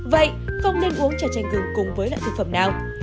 vậy không nên uống trà chanh gừng cùng với loại thực phẩm nào